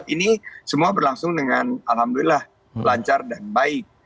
ini semua berlangsung dengan alhamdulillah lancar dan baik